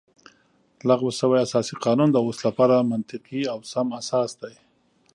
لغوه شوی اساسي قانون د اوس لپاره منطقي او سم اساس دی